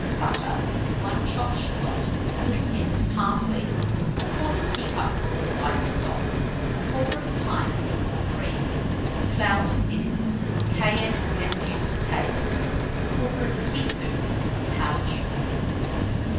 of butter, 1 chopped shalot, a little minced parsley, 1/4 teacupful of white stock, 1/4 pint of milk or cream, flour to thicken, cayenne and lemon juice to taste, 1/4 teaspoonful of powdered sugar.